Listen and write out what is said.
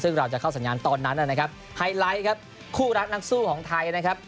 ซึ่งเราจะเข้าสัญญาณตอนนั้นนะครับไฮไลท์ครับคู่รักนักสู้ของไทยนะครับ